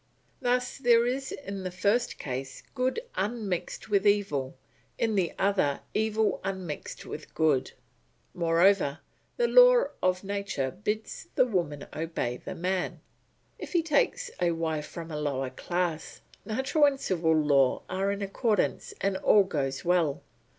Thus there is in the first case good unmixed with evil, in the other evil unmixed with good. Moreover, the law of nature bids the woman obey the man. If he takes a wife from a lower class, natural and civil law are in accordance and all goes well.